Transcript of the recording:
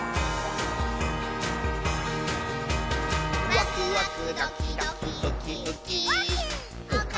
「ワクワクドキドキウキウキ」ウッキー。